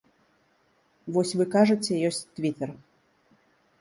Вось вы кажаце, ёсць твітар.